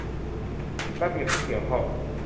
ระเบียบที่เกี่ยวข้อง